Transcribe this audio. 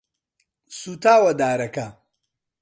سوتاوە دارەکە.